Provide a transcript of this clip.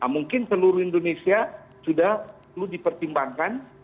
mungkin seluruh indonesia sudah perlu dipertimbangkan